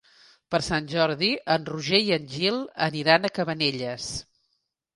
Per Sant Jordi en Roger i en Gil aniran a Cabanelles.